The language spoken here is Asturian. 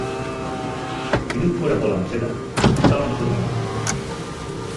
Si nun fuera pola masera, tábamos d'otra manera.